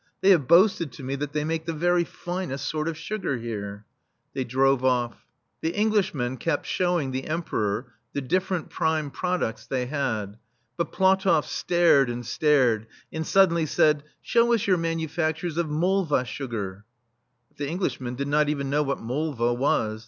They have boasted to me that they make the very finest sort of sugar here." They drove ofF. [ la ] THE STEEL FLEA The Englishmen kept showing the Emperor the different prime produfts they had, but Platoff stared and stared, and suddenly said :" Show us your manufadtures oi molva sugar."* But the Englishmen did not even know what moha was.